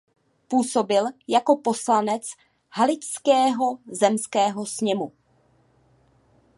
Působil jako poslanec Haličského zemského sněmu.